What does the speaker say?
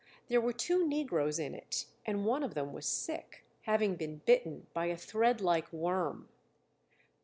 There were two negroes in it and one of them was sick, having been bitten by a thread like worm.